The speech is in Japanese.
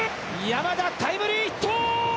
山田、タイムリーヒット！